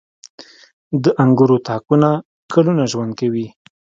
• د انګورو تاکونه کلونه ژوند کوي.